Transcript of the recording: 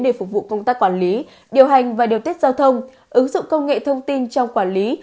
để phục vụ công tác quản lý điều hành và điều tiết giao thông ứng dụng công nghệ thông tin trong quản lý